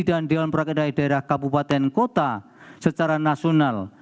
dan dewan perwakilan daerah kabupaten kota secara nasional